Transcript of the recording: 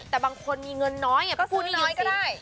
แต่บางคนมีเงินน้อยพูดน้อยก็ได้